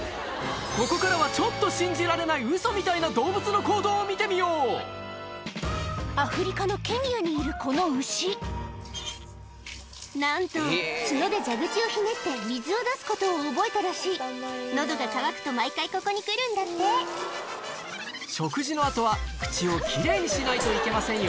ここからはちょっと信じられないを見てみようアフリカのケニアにいるこの牛なんと角で蛇口をひねって水を出すことを覚えたらしい喉が渇くと毎回ここに来るんだって「食事の後は口を奇麗にしないといけませんよ」